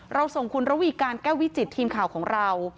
ส่งคุณระวีการแก้ววิจิตทีมข่าวของเรา